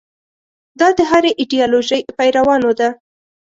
دا د هرې ایدیالوژۍ پیروانو ده.